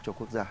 cho quốc gia